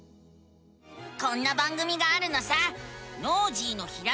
こんな番組があるのさ！